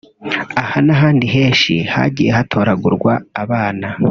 “Aha n’ahandi henshi hagiye hatoragurwa abana